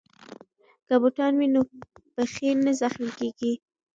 که بوټان وي نو پښې نه زخمي کیږي.